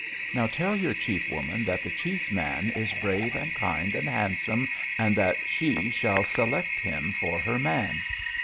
Now, tell your chief woman that the chief man is brave and kind and handsome, and that she shall select him for her man.